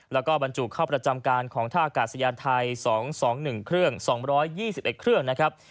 แล้วก็บรรจุเข้าประจำการของท่าอากาศยานไทยสองสองหนึ่งเครื่องสองร้อยยี่สิบเอ็กซ์เครื่องนะครับ